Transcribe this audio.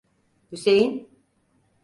Hüseyin!